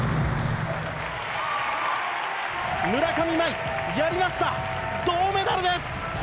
村上茉愛、やりました、銅メダルです。